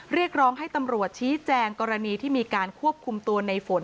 เรียกร้องให้ตำรวจชี้แจงกรณีที่มีการควบคุมตัวในฝน